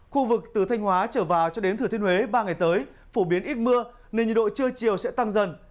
khu vực từ thanh hóa trở vào cho đến thừa thiên huế ba ngày tới phổ biến ít mưa nên nhiệt độ trưa chiều sẽ tăng dần